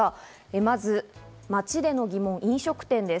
まず街での疑問、飲食店です。